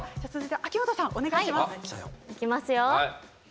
秋元さん、お願いします。